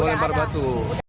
oh lempar batu